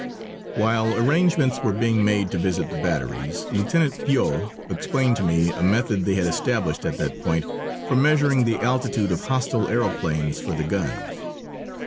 While arrangements were being made to visit the batteries, Lieutenant Puaux explained to me a method they had established at that point for measuring the altitude of hostile aëroplanes for the guns.